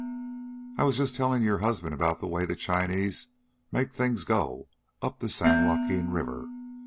"I was just telling your husband about the way the Chinese make things go up the San Joaquin river.